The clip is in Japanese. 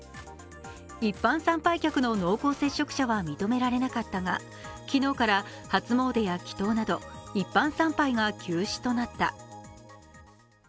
一般参拝客の濃厚接触者は認められなかったが、昨日から初詣や祈とうなど一般参拝が中止となった。